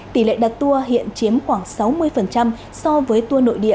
tỷ lệ đặt tour hiện chiếm khoảng sáu mươi so với tour nội địa